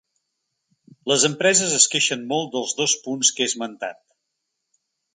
Les empreses es queixen molt dels dos punts que he esmentat.